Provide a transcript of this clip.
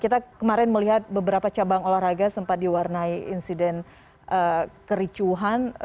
kita kemarin melihat beberapa cabang olahraga sempat diperhatikan